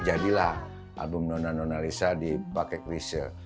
jadilah album nona nona lisa dipake krisha